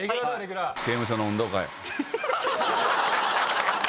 刑務所の運動会。